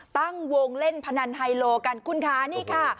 ตั้งวงเล่นพนันไฮโลกันคุณคะนี่ค่ะ